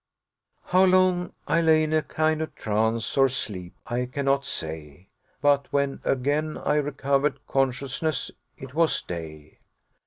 How long I lay in a kind of trance or sleep I cannot say, but when again I recovered consciousness it was day.